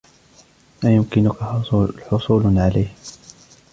لا یمکنک حصول علیه.